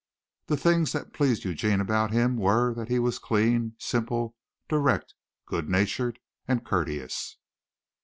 The things that pleased Eugene about him were that he was clean, simple, direct, good natured and courteous.